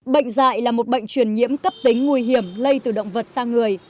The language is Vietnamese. bệnh dạy là một bệnh truyền nhiễm cấp tính nguy hiểm lây từ động vật sang người